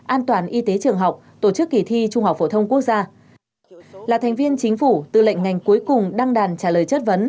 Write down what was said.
an toàn y tế trường học tổ chức kỳ thi trung học phổ thông quốc gia